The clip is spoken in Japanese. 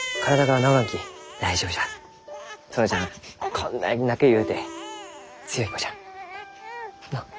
こんなに泣けるゆうて強い子じゃ。